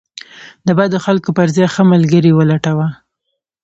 د بد خلکو پر ځای ښه ملګري ولټوه.